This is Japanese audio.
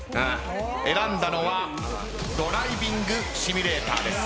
選んだのはドライビングシミュレーターです。